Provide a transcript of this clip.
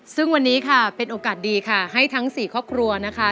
ซึ่งวันนี้ค่ะเป็นโอกาสดีค่ะให้ทั้ง๔ครอบครัวนะคะ